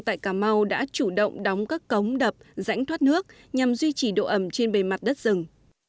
tại cà mau đã chủ động đóng các cống đập rãnh thoát nước nhằm duy trì độ ẩm trên bề mặt đất rừng